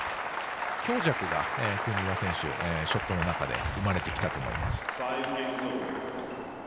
強弱が国枝選手ショットの中で生まれてきたと思います。